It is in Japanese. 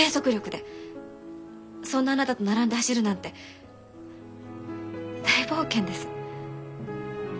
そんなあなたと並んで走るなんて大冒険です。